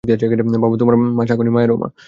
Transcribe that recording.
বাবা, তোমার মা শকুনি মামার মায়েরও মা।